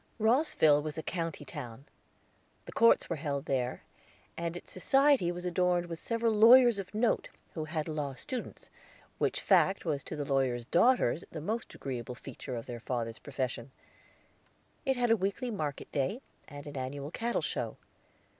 Rosville was a county town. The courts were held there, and its society was adorned with several lawyers of note who had law students, which fact was to the lawyers' daughters the most agreeable feature of their fathers' profession. It had a weekly market day and an annual cattle show.